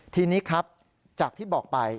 ทีนี้ครับจากที่บอกไป